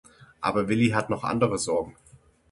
Aber Willi hat noch andere Sorgen.